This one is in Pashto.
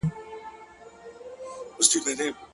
o هندوستان څه دی جنت دی د تور حُسنو د سپين حُسنو،